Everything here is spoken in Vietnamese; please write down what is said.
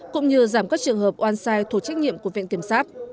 cũng như giảm các trường hợp oan sai thuộc trách nhiệm của viện kiểm sát